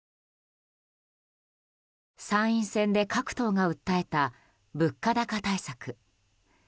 参院選で各党が訴えた物価高対策。